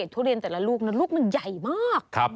ทุเรียนแต่ละลูกนั้นลูกมันใหญ่มาก